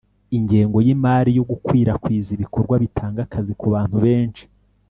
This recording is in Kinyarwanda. ingengo y'imari yo gukwirakwiza ibikorwa bitanga akazi ku bantu benshi